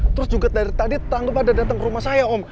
terus juga dari tadi tetangga pada datang ke rumah saya om